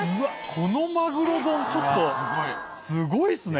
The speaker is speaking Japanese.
このマグロ丼ちょっとすごいっすね。